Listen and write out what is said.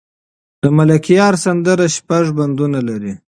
د ملکیار سندره شپږ بندونه لري.